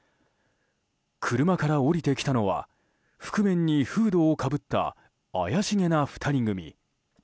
車から降りてきたのは覆面にフードをかぶった怪しげな２人組。